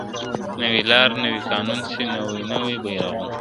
نوې لار نوی قانون سي نوي نوي بیرغونه ..